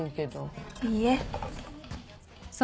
いいえ。